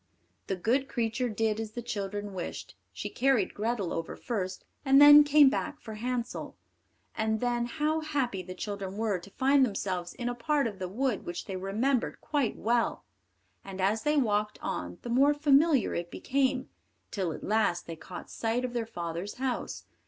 The good creature did as the children wished; she carried Grethel over first, and then came back for Hansel. And then how happy the children were to find themselves in a part of the wood which they remembered quite well, and as they walked on, the more familiar it became, till at last they caught sight of their father's house.